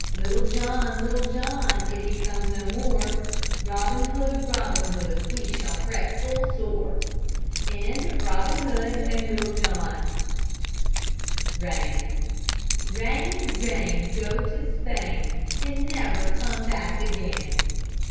Little John, Little John, If he comes no more, Robin Hood, Robin Hood, We shall fret full sore! RAIN Rain, rain, go to Spain, And never come back again.